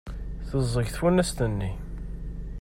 Teẓẓeg tafunast-nni.